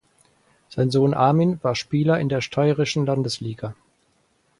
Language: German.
Sein Sohn Armin war Spieler in der Steirischen Landesliga.